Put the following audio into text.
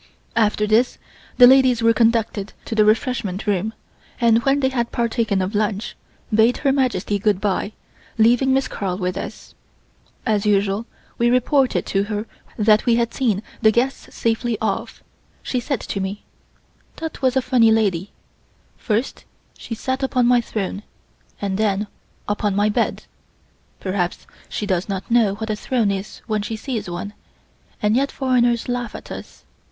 After this the ladies were conducted to the refreshment room, and when they had partaken of lunch, bade Her Majesty good bye, leaving Miss Carl with us. As usual we reported to her that we had seen the guests safely off. She said to me: "That was a funny lady: first she sat upon my throne, and then upon my bed. Perhaps she does not know what a throne is when she sees one, and yet foreigners laugh at us.